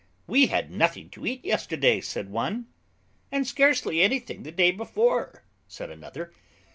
"We had nothing to eat yesterday," said one. "And scarcely anything the day before," said another.